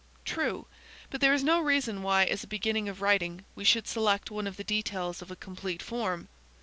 True, but there is no reason why as a beginning of writing, we should select one of the details of a complete form.